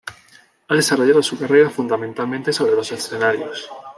Ha desarrollado su carrera fundamentalmente sobre los escenarios.